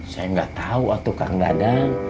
saya nggak tahu atu kang dadang